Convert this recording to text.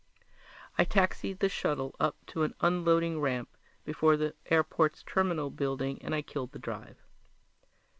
I taxied the shuttle up to an unloading ramp before the airport's terminal building and I killed the drive.